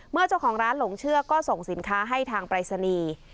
เมื่อเจ้าของร้านหลงเชื่อก็ส่งสินค้าให้ทางปรายศนีย์